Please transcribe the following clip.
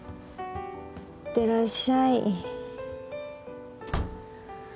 いってらっしゃい。